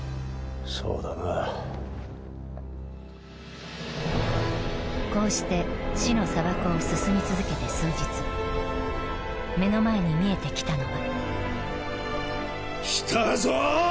そうだなこうして死の砂漠を進み続けて数日目の前に見えてきたのは来たぞ！